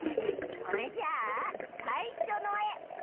それじゃあさいしょのえ！